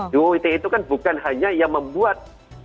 di uite itu kan bukan hanya yang membuat